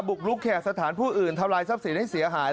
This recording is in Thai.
กลุกแขกสถานผู้อื่นทำลายทรัพย์สินให้เสียหาย